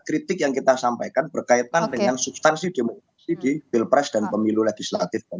kritik yang kita sampaikan berkaitan dengan substansi demokrasi di pilpres dan pemilu legislatif